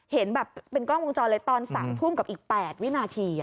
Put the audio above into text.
เห็นแบบเป็นกล้องวงจรเลยตอน๓ทุ่มกับอีก๘วินาที